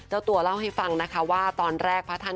เจ้าตัวเล่าให้ฟังนะคะว่าตอนแรกพระท่าน